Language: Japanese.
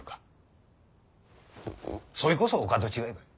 そいこそお門違いばい。